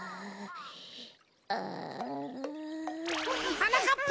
はなかっぱ！